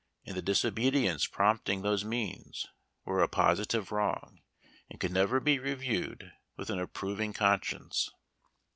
and the disobedience prompting those means, were a positive wrong, and could never be reviewed with an approving conscience.